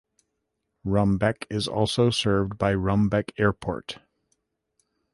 Rumbek is also served by Rumbek Airport.